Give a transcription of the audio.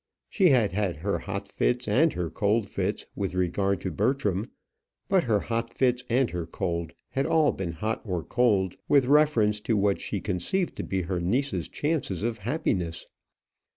She had had her hot fits and her cold fits with regard to Bertram; but her hot fits and her cold had all been hot or cold with reference to what she conceived to be her niece's chances of happiness.